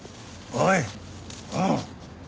おい！